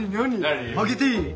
開けていい？